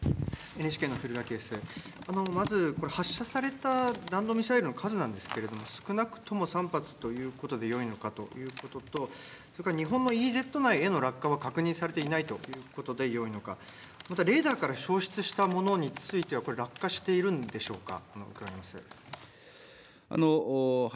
まずこれ、発射された弾道ミサイルの数なんですけれども、少なくとも３発ということでよいのかということと、それから日本のＥＥＺ内への落下は確認されていないということでよいのか、またレーダーから焼失したものについては、これ、落下しているんでしょうか。